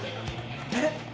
えっ。